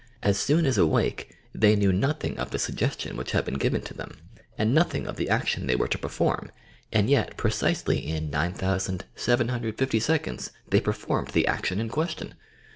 As soon as awake, they knew nothing of the suggestion which had been given to them, and nothing of the action they were to perform, and yet precisely in 9,750 seconds they performed the action in question!